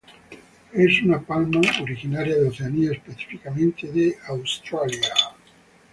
Es una palma originaria de Oceanía, específicamente de Australia.